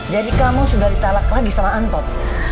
jadi kamu sudah di talak lagi sama anton